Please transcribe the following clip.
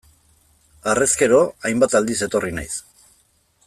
Harrezkero, hainbat aldiz etorri naiz.